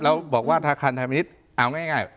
แล้วบอกว่าธนาคารไทยมณิษฐ์เอาง่าย